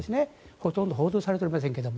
ほとんど報道されてませんが。